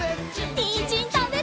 にんじんたべるよ！